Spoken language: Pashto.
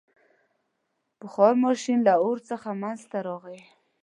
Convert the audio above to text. • بخار ماشین له اور څخه منځته راغی.